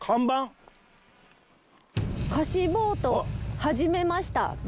「貸しボートはじめました」